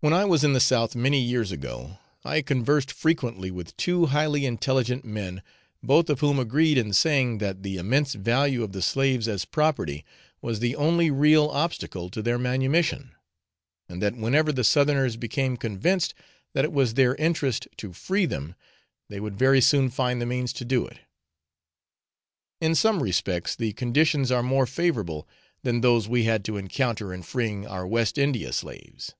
When I was in the South many years ago I conversed frequently with two highly intelligent men, both of whom agreed in saying that the immense value of the slaves as property was the only real obstacle to their manumission, and that whenever the Southerners became convinced that it was their interest to free them they would very soon find the means to do it. In some respects the conditions are more favourable than those we had to encounter in freeing our West India slaves.